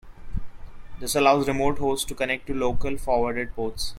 This allows remote hosts to connect to local forwarded ports.